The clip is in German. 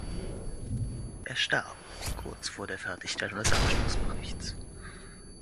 Er starb kurz vor der Fertigstellung des Abschlussberichts.